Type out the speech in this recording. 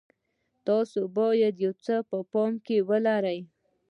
تاسو باید یو څه په پام کې ولرئ.